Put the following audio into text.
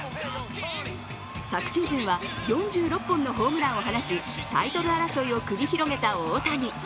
昨シーズンは、４６本のホームランを放ちタイトル争いを繰り広げた大谷。